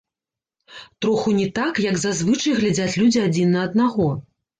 Троху не так, як зазвычай глядзяць людзі адзін на аднаго.